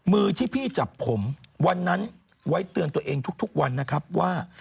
มือที่พี่จับผมวันนั้นไว้เตือนตัวเองทุกวันนะครับว่า